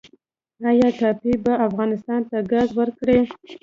آیا ټاپي به افغانستان ته ګاز ورکړي؟